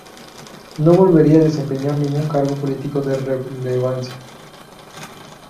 No volvería a desempeñar ningún cargo político de relevancia.